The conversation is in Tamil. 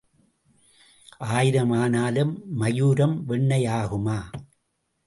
ஆயிரம் ஆனாலும் மாயூரம் வெண்ணெய் ஆகுமா?